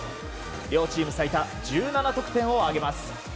両チーム最多１７得点を挙げます。